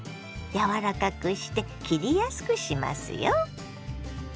柔らかくして切りやすくしますよ。